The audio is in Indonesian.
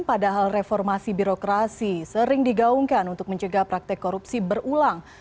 padahal reformasi birokrasi sering digaungkan untuk mencegah praktek korupsi berulang